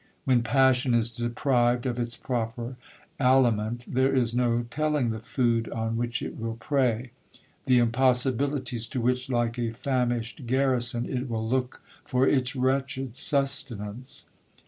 When passion is deprived of its proper aliment, there is no telling the food on which it will prey,—the impossibilities to which, like a famished garrison, it will look for its wretched sustenance.